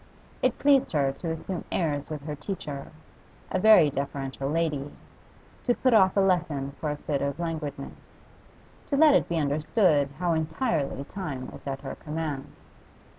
It pleased her to assume airs with her teacher a very deferential lady to put off a lesson for a fit of languidness; to let it be understood how entirely time was at her command.